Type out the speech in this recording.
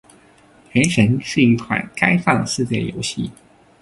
《原神》是一款开放世界游戏。